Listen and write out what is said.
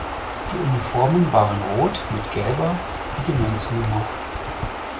Die Uniformen waren rot mit gelber Regimentsnummer.